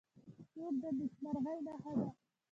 • لور د نیکمرغۍ نښه ده.